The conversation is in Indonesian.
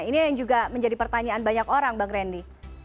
ini yang juga menjadi pertanyaan banyak orang bang randy